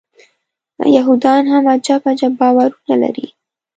یهودان هم عجب عجب باورونه لري.